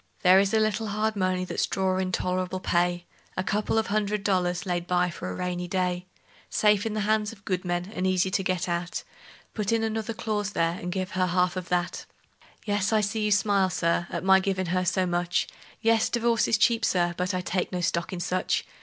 There is a little hard money that's drawin' tol'rable pay: A couple of hundred dollars laid by for a rainy day; Safe in the hands of good men, and easy to get at; Put in another clause there, and give her half of that. Yes, I see you smile, Sir, at my givin' her so much; Yes, divorce is cheap, Sir, but I take no stock in such!